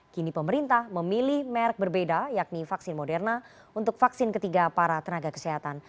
kini pemerintah memilih merek berbeda yakni vaksin moderna untuk vaksin ketiga para tenaga kesehatan